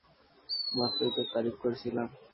মাত্রই তোর তারিফ করছিলাম।